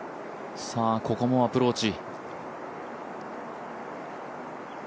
ここもアプローチ。